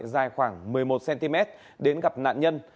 dài khoảng một mươi một cm đến gặp nạn nhân